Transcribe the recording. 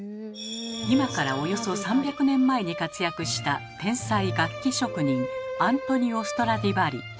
今からおよそ３００年前に活躍した天才楽器職人アントニオ・ストラディヴァリ。